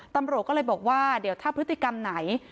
ตำรวจก็เลยบอกว่าเดี๋ยวถ้าพฤติกรรมไหน